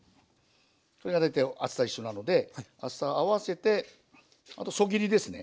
これが大体厚さ一緒なので厚さ合わせてあとそぎりですね。